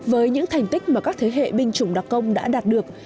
với những thành tích mà các thế hệ binh chủng đặc công đã đạt được